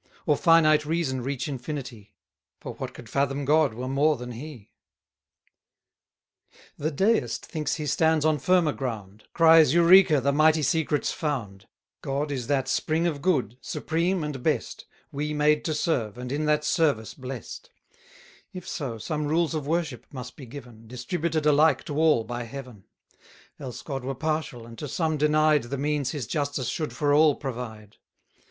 Or finite reason reach Infinity? 40 For what could fathom God were more than He. The Deist thinks he stands on firmer ground; Cries [Greek: eureka], the mighty secret's found: God is that spring of good; supreme and best; We made to serve, and in that service blest; If so, some rules of worship must be given, Distributed alike to all by Heaven: Else God were partial, and to some denied The means his justice should for all provide.